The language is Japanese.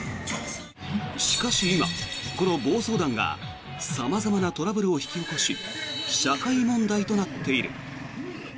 しかし今、この暴走団が様々なトラブルを引き起こし社会問題となっている。